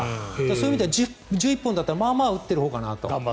そういう意味では１１本だったらまあまあ打ってるほうかなと。